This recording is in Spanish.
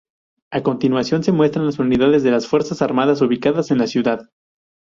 A continuación se muestran las unidades de las Fuerzas Armadas ubicadas en la ciudad.